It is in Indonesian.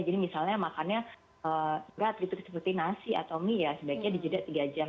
jadi misalnya makannya berat seperti nasi atau mie ya sebaiknya dijeda tiga jam